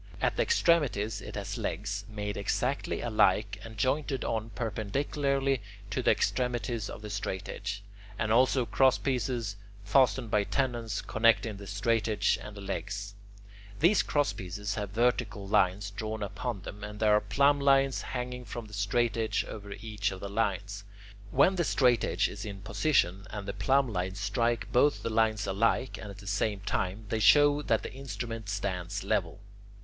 At the extremities it has legs, made exactly alike and jointed on perpendicularly to the extremities of the straightedge, and also crosspieces, fastened by tenons, connecting the straightedge and the legs. These crosspieces have vertical lines drawn upon them, and there are plumblines hanging from the straightedge over each of the lines. When the straightedge is in position, and the plumblines strike both the lines alike and at the same time, they show that the instrument stands level.